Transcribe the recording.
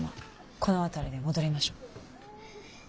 この辺りで戻りましょう。